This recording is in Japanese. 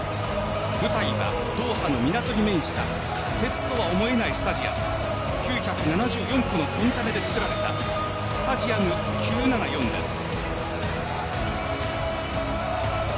舞台はドーハの港に面した仮設とは思えないスタジアム９７４個のコンテナで作られたスタジアム９７４です。